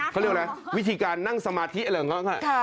เขาเรียกว่าอะไรวิธีการนั่งสมาธิอะไรอย่างนั้น